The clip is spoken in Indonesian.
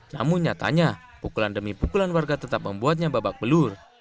namun nyatanya pukulan demi pukulan warga tetap membuatnya babak belur